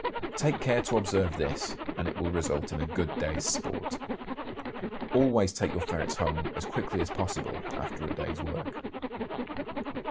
Take care to observe this and it will result in a good day's sport. Always take your ferrets home as quickly as possible after a day's work.